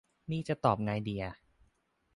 นี่จะตอบไงดีอะ